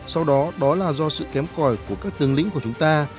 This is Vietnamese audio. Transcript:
sau đó đó là do sự kém còi của các tướng lĩnh của chúng ta